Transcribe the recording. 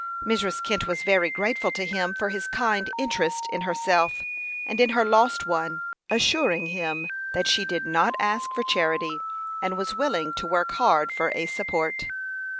Mrs. Kent was very grateful to him for his kind interest in herself, and in her lost one, assuring him that she did not ask for charity, and was willing to work hard for a support.